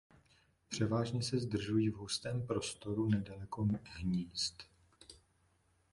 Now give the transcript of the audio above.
Převážně se zdržují v hustém porostu nedaleko hnízd.